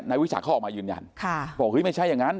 นายวิชักเข้าออกมายืนยันค่ะบอกว่าเฮ้ยไม่ใช่อย่างงั้น